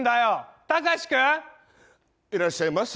いらっしゃいませ